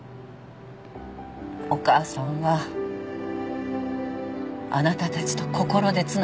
「お母さんはあなたたちと心でつながっている」と。